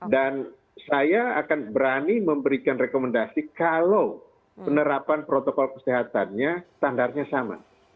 dan saya akan berani memberikan rekomendasi kalau penerapan protokol kesehatannya standarnya sama